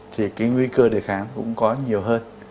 thì cái nguy cơ để khám cũng có nhiều hơn